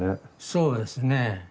そうですね。